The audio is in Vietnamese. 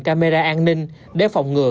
camera an ninh để phòng ngừa